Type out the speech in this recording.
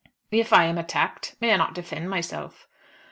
"If I am attacked may I not defend myself?"